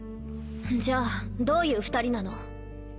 じゃあどういう２人なの？